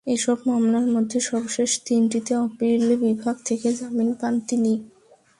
এসব মামলার মধ্যে সর্বশেষ তিনটিতে আপিল বিভাগ থেকে জামিন পান তিনি।